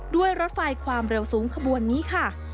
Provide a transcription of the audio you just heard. รถไฟความเร็วสูงขบวนนี้ค่ะ